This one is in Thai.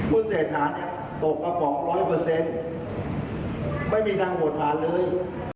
คุณเศรษฐานนี่ตกประป๋อง๑๐๐ไม่มีทางโหวตผ่านเลย